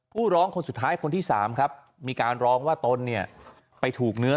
ผู้ร้องคนสุดท้ายคนที่๓ครับมีการร้องว่าตนเนี่ยไปถูกเนื้อ